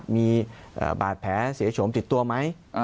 มีบาดแผลเสียโฉมติดตัวไหม